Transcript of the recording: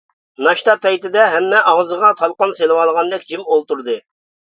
ناشتا پەيتىدە ھەممە ئاغزىغا تالقان سېلىۋالغاندەك جىم ئولتۇردى.